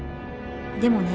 でもね